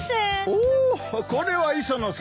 おおこれは磯野さん。